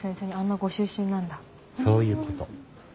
そういうこと。